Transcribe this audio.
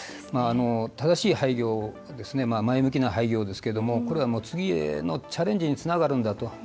正しい廃業前向きな廃業ですけれどもこれは、次へのチャレンジにつながるんだと。